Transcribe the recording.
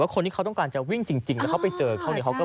คนที่เขาต้องการจะวิ่งจริงแล้วเขาไปเจอเขาเนี่ยเขาก็